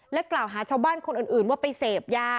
กล่าวหาชาวบ้านคนอื่นว่าไปเสพยา